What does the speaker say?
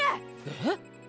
えっ！？